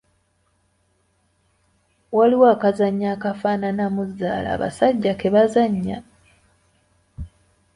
Waliwo akazannyo akafaananamu zzaala abasajja ke bazannya.